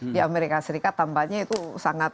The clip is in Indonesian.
di amerika serikat tampaknya itu sangat